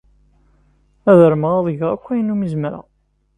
Ad armeɣ ad geɣ akk ayen umi zemreɣ.